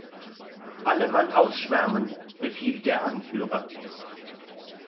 "Alle Mann ausschwärmen!", befiehlt der Anführer.